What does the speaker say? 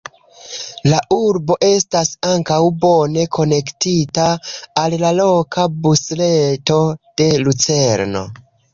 La urbo estas ankaŭ bone konektita al la loka busreto de Lucerno.